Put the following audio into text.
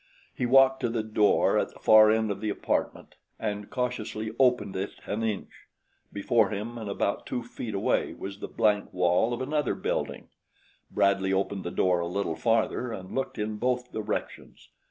He walked to the door at the far end of the apartment and cautiously opened it an inch. Before him and about two feet away was the blank wall of another building. Bradley opened the door a little farther and looked in both directions.